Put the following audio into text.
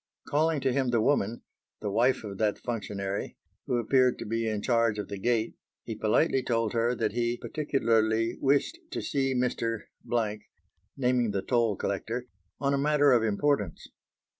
Calling to him the woman, the wife of that functionary, who appeared to be in charge of the gate, he politely told her that he particularly wished to see Mr. , naming the toll collector, on a matter of importance.